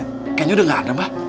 kayaknya udah gak ada mbak